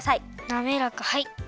なめらかはい。